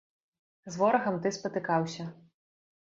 З ворагам ты спатыкаўся.